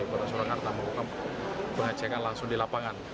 berdasarkan harta meruka pengecekan langsung di lapangan